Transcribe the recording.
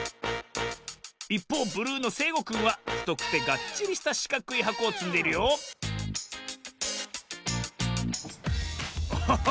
いっぽうブルーのせいごくんはふとくてがっちりしたしかくいはこをつんでいるよおっ！